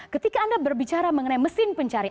ketika anda berbicara mengenai mesin pencari